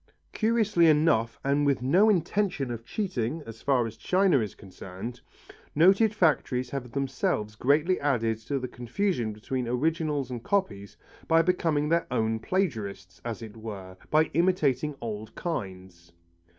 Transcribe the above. Curiously enough and with no intention of cheating, as far as china is concerned, noted factories have themselves greatly added to the confusion between originals and copies by becoming their own plagiarists, as it were, by imitating old kinds.